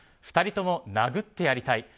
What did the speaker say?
２人とも殴ってやりたい。